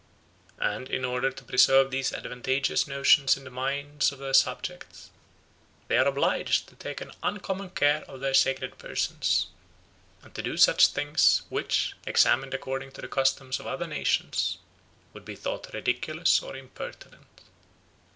And, in order to preserve these advantageous notions in the minds of their subjects, they are obliged to take an uncommon care of their sacred persons, and to do such things, which, examined according to the customs of other nations, would be thought ridiculous and impertinent.